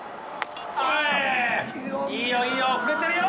いいよいいよ振れてるよ。